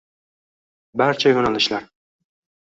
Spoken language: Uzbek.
Barcha yo‘nalishlar